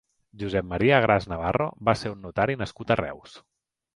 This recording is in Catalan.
Josep Maria Gras Navarro va ser un notari nascut a Reus.